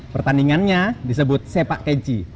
pertandingannya disebut sepak kenji